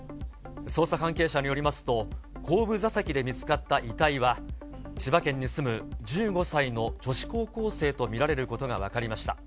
捜査関係者によりますと、後部座席で見つかった遺体は、千葉県に住む１５歳の女子高校生と見られることが分かりました。